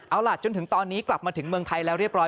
เอาล่ะจนถึงตอนนี้กลับมาถึงเมืองไทยแล้วเรียบร้อ